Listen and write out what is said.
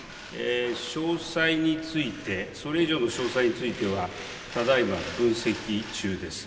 詳細について、それ以上の詳細については、ただいま分析中です。